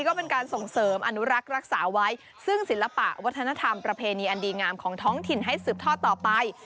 ก็เป็นการส่งเสริมอนุรักษ์รักษาไว้ซึ่งศิลปะวัฒนธรรมประเพณีอันดีงามของท้องถิ่นให้สืบทอดต่อไป